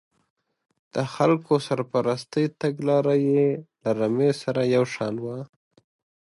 د خلکو سرپرستۍ تګلاره یې له رمې سره یو شان وه.